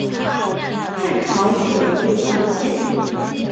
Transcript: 汉朝置吴房县。